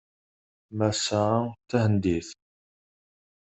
Massa-a d tahendit.